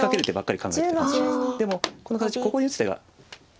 でもこの形ここに打つ手がいいんです。